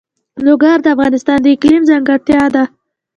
لوگر د افغانستان د اقلیم ځانګړتیا ده.